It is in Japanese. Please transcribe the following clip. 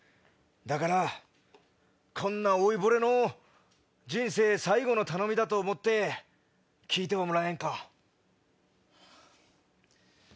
だからこんな老いぼれの人生最後の頼みだと思って聞いてはもらえんか。